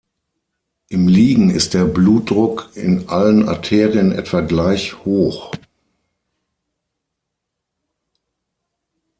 Im Liegen ist der Blutdruck in allen Arterien etwa gleich hoch.